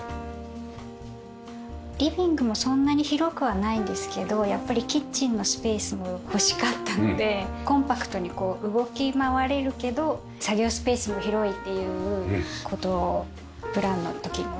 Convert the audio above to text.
リビングもそんなに広くはないんですけどやっぱりキッチンのスペースも欲しかったのでコンパクトに動き回れるけど作業スペースも広いっていう事をプランの時には。